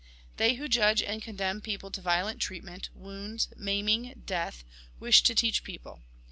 They who judge and condemn people to violent treatment, wounds, maiming, death, wish to teach people.